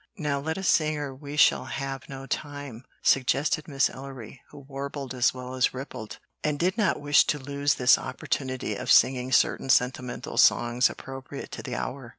"Now let us sing or we shall have no time," suggested Miss Ellery, who warbled as well as rippled, and did not wish to lose this opportunity of singing certain sentimental songs appropriate to the hour.